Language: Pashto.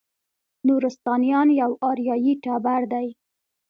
نورستانیان یو اریایي ټبر دی.